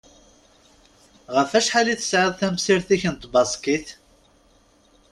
Ɣef acḥal i tesɛiḍ tamsirt-ik n tbaskit?